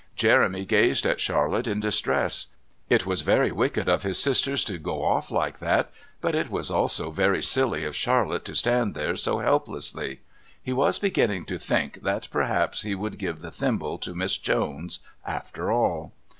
Jeremy gazed at Charlotte in distress. It was very wicked of his sisters to go off like that, but it was also very silly of Charlotte to stand there so helplessly. He was beginning to think that perhaps he would give the thimble to Miss Jones after all.